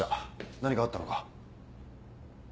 何かあったのか？